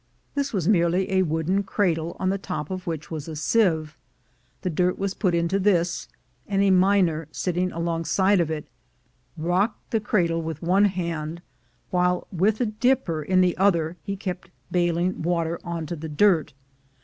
This was merely a wooden cradle, on the top of which was a sieve. The dirt was put into this, and a miner, sitting alongside of it, rocked the cradle with one hand, while with a dipper in the other he kept baling water on to the dirt.